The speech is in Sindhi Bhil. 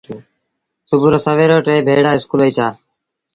سڀو رو سويرو ٽئيٚ ڀيڙآ اسڪول وهيٚتآ۔